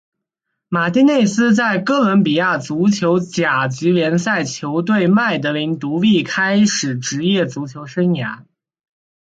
马丁内斯在哥伦比亚足球甲级联赛球队麦德林独立开始职业足球生涯。